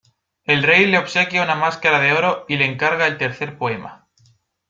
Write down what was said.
El Rey le obsequia una máscara de oro y le encarga el tercer poema.